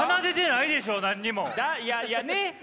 いやいやねっね。